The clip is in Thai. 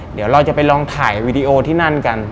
เดี๋ยวเราจะไปลองถ่ายวีดีโอที่นั่นกัน